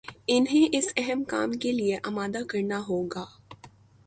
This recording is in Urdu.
انہیں اس اہم کام کے لیے آمادہ کرنا ہو گا